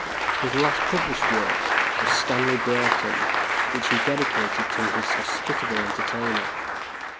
His last published work was "Stanley Brereton," which he dedicated to his hospitable entertainer.